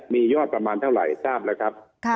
มียอดประมาณเท่าไหร่ทราบแล้วครับ